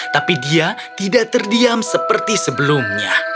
tapi dia tidak terdiam seperti sebelumnya